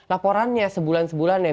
laporannya sebulan sebulan ya